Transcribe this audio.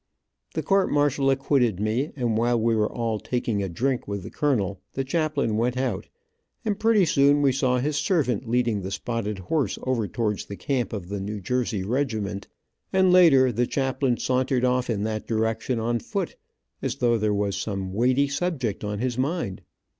The court martial acquitted me, and while we were all taking a drink with the colonel, the chaplain went out, and pretty soon we saw his servant leading the spotted horse over towards the camp of the New Jersey regiment, and later the chaplain sauntered off in that direction on foot, as though there was some weighty subject on his mind.